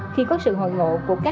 khi có sự hòa hợp với những người dân